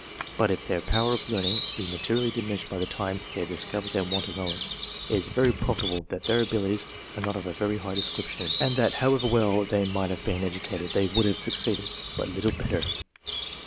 But if their power of learning is materially diminished by the time they have discovered their want of knowledge, it is very probable that their abilities are not of a very high description, and that, how ever well they might have been educated, they would have succeeded but little better.